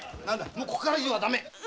もうこっから以上はダメ！